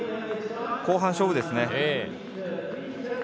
後半勝負ですね。